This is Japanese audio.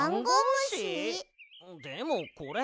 でもこれ。